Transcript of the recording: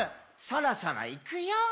「そろそろいくよー」